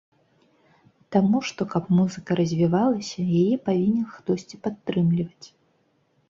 Таму што, каб музыка развівалася, яе павінен хтосьці падтрымліваць.